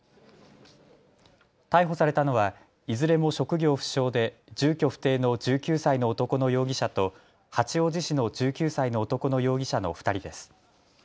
逮捕されたのはいずれも職業不詳で住居不定の１９歳の男の容疑者と八王子市の１９歳の男の容疑者の２人です。